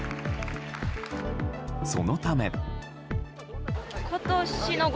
そのため。